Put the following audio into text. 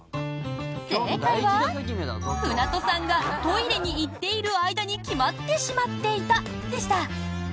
正解は、舟渡さんがトイレに行っている間に決まってしまっていたでした。